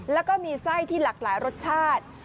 แล้วก็มีไส้ที่หลากหลายรสชาติ